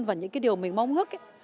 và những cái điều mình mong hước